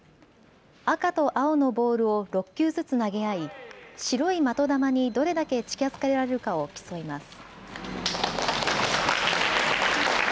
赤と青のボールを６球ずつ投げ合い白い的球にどれだけ近づけられるかを競います。